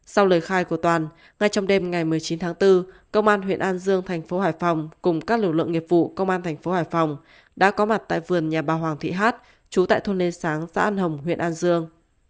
sau lời khai của toàn ngay trong đêm ngày một mươi chín tháng bốn công an huyện an dương thành phố hải phòng cùng các lực lượng nghiệp vụ công an thành phố hải phòng đã có mặt tại vườn nhà bà hoàng thị hát chú tại thôn lê sáng xã an hồng huyện an dương